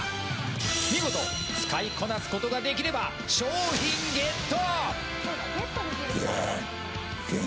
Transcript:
見事使いこなすことができれば商品ゲット！